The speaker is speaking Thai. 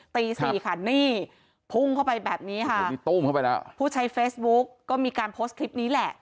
ตีสี่ค่ะนี่พุ่งเข้าไปแบบนี้ค่ะพูดใช้เฟซบุ๊กก็มีการโพสต์คลิปนี้แหละ